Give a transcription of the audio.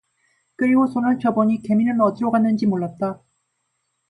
그리고 손을 펴보니 개미는 어디로 갔는지 몰랐다.